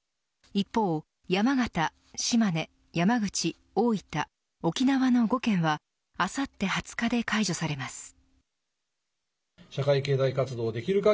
一方、山形、島根山口、大分沖縄の５県は、あさって２０日で解除されます。